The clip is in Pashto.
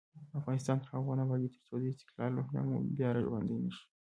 افغانستان تر هغو نه ابادیږي، ترڅو د استقلال روحیه مو بیا راژوندۍ نشي.